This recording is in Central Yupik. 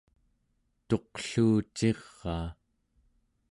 tuqluuciraa